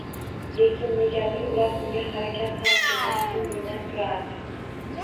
Lekin negadir ular bunga harakat ham qilmas, jimgina turardi